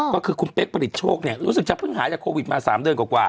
ก็คือคุณเป๊กผลิตโชคเนี่ยรู้สึกจะเพิ่งหายจากโควิดมา๓เดือนกว่า